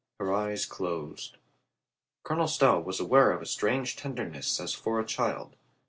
Her eyes closed. Colonel Stow was aware of a strange tenderness as for a child.